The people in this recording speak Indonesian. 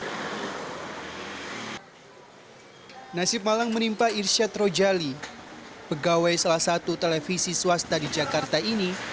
hai nasib malang menimpa irsyad rojali pegawai salah satu televisi swasta di jakarta ini